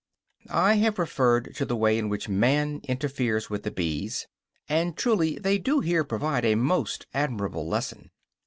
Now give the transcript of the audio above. I have referred to the way in which man interferes with the bees; and truly they do here provide a most admirable lesson.